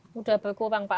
sudah berkurang pak